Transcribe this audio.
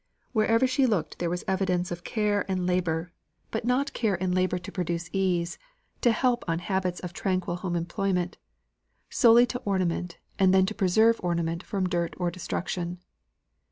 Wherever she looked there was evidence of care and labour, but not care and labour to procure ease, to help on habits of tranquil home employment; solely to ornament and then to preserve ornament from dirt or destruction.